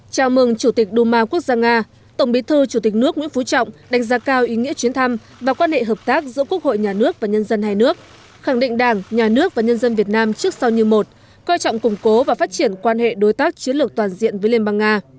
chào mừng chủ tịch đu ma quốc gia nga tổng bí thư chủ tịch nước nguyễn phú trọng đánh giá cao ý nghĩa chuyến thăm và quan hệ hợp tác giữa quốc hội nhà nước và nhân dân hai nước khẳng định đảng nhà nước và nhân dân việt nam trước sau như một coi trọng củng cố và phát triển quan hệ đối tác chiến lược toàn diện với liên bang nga